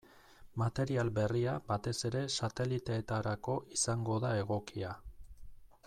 Material berria batez ere sateliteetarako izango da egokia.